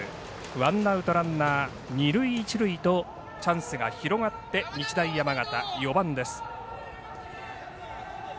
ワンアウト、ランナー二塁、一塁とチャンスが広がって日大山形、４番です。